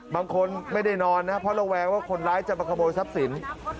บางคนไม่ได้นอนนะเพราะระแวงว่าคนร้ายจะมาขโมยทรัพย์สิน